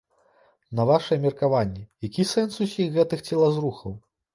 На вашае меркаванне, які сэнс усіх гэтых целазрухаў?